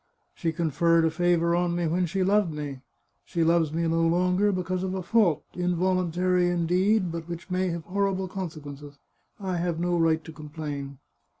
" She conferred a favour on me when she loved me. She loves me no longer because of a fault, involuntary, indeed, but which may have horrible consequences. I have no right to complain."